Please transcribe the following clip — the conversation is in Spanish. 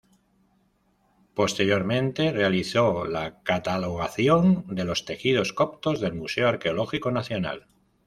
Posteriormente, realizó la catalogación de los tejidos coptos del Museo Arqueológico Nacional.